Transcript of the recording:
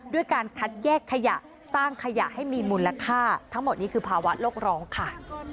ด้วยการคัดแยกขยะสร้างขยะให้มีมูลค่าทั้งหมดนี้คือภาวะโลกร้องค่ะ